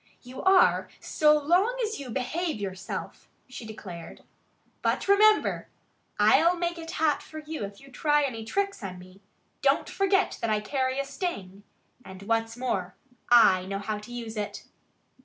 "You are so long as you behave yourself," she declared. "But remember! I'll make it hot for you if you try any tricks on me! Don't forget that I carry a sting! And what's more, I know how to use it."